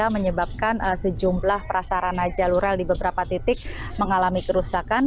menyebabkan sejumlah prasarana jalur rel di beberapa titik mengalami kerusakan